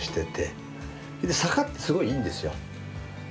それで坂ってすごいいいんですよ。